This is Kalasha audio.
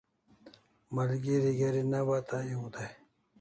Malgeri geri ne bata ew dai